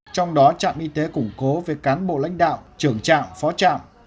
trong đó trạm y tế củng cố về cán bộ lãnh đạo trưởng trạm phó trạm